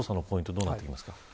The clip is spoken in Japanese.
どこになってきますか。